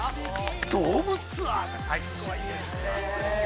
◆ドームツアー、すごいですね。